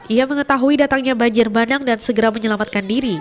ia mengetahui datangnya banjir bandang dan segera menyelamatkan diri